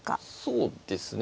そうですね。